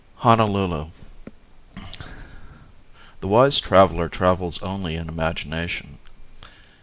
VI Honolulu The wise traveller travels only in imagination.